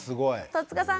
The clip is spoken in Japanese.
戸塚さん